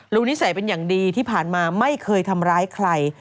นิสัยเป็นอย่างดีที่ผ่านมาไม่เคยทำร้ายใคร